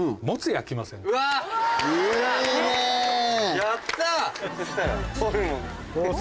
やった！